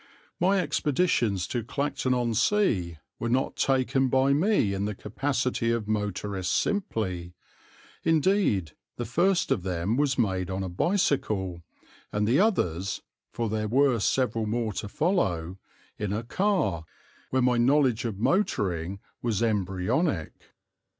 My expeditions to Clacton on Sea were not taken by me in the capacity of motorist simply; indeed, the first of them was made on a bicycle, and the others, for there were several more to follow, in a car, when my knowledge of motoring was embryonic.